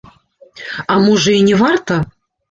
А можа, і не варта?